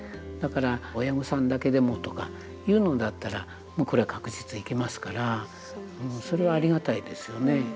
だから親御さんだけでもとかいうのだったらもうこれは確実行けますからそれはありがたいですよね。